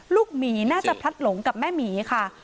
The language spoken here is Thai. ลูกหมีน่าจะพลัดหลงกับแม่หมีค่ะครับ